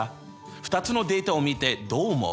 ２つのデータを見てどう思う？